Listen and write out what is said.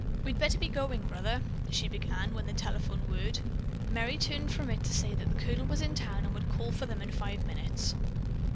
"We'd better be going, Brother," she began when the telephone whirred. Merry turned from it to say that the Colonel was in town and would call for them in five minutes.